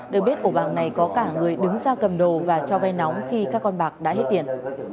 đời bếp ổ bàng này có cả người đứng ra cầm đồ và cho bay nóng khi các con bạc đã hết tiền